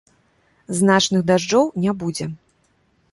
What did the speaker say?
Значных дажджоў не будзе.